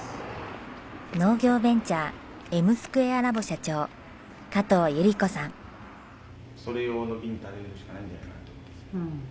農業ベンチャーエムスクエア・ラボ社長加藤百合子さん。